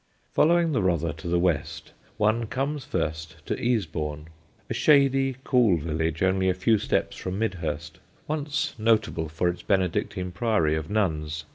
Following the Rother to the west one comes first to Easebourne, a shady cool village only a few steps from Midhurst, once notable for its Benedictine Priory of nuns.